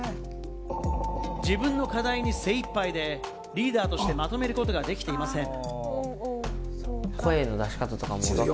自分の課題に精いっぱいで、リーダーとしてまとめることができていません。